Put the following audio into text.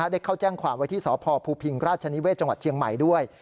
ได้เข้าแจ้งความไว้ที่สพภูพิงราชนิเวศจังหวัดเชียงใหม่ด้วย